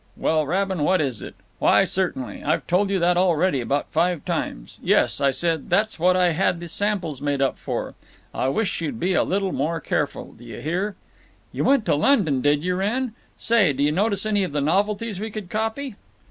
(Well, Rabin, what is it? Why certainly. I've told you that already about five times. Yes, I said—that's what I had the samples made up for. I wish you'd be a little more careful, d' ye hear?) You went to London, did you, Wrenn? Say, did you notice any novelties we could copy?"